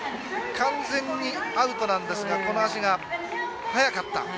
完全にアウトなんですがこの足が速かった。